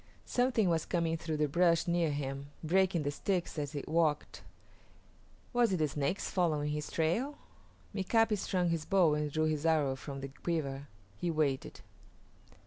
Something was coming through the brush near him, breaking the sticks as it walked. Was it the Snakes following his trail? Mika´pi strung his bow and drew his arrows from the quiver. He waited.